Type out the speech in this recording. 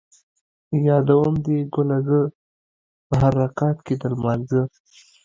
یادوم دې ګله زه ـ په هر رکعت کې د لمانځه